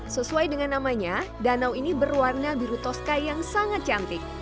sesuai dengan namanya danau ini berwarna biru toska yang sangat cantik